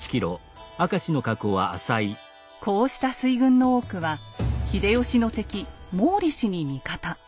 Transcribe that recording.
こうした水軍の多くは秀吉の敵毛利氏に味方。